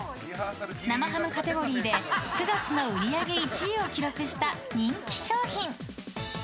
生ハムカテゴリーで９月の売り上げ１位を記録した人気商品。